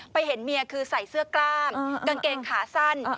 เห็นเมียคือใส่เสื้อกล้ามกางเกงขาสั้น